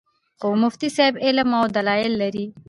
خو مفتي صېب علم او دلائل لرل